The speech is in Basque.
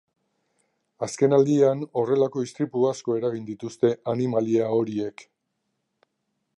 Azkenaldian horrelako istripu asko eragin dituzte animalia horiek.